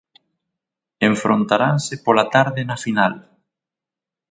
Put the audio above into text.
Enfrontaranse pola tarde na final.